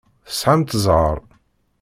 Tesɛamt zzheṛ.